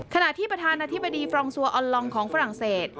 ขณะที่ประธานาธิบดีฟรองซัวออนลองของฝรั่งเศส